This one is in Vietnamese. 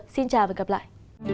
xin chào và hẹn gặp lại